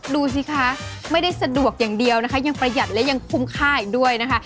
ดูสิคะไม่ได้สะดวกอย่างเดียวนะคะยังประหยัดและยังคุ้มค่าอีกด้วยนะคะ